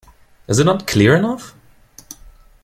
Is it not clear enough?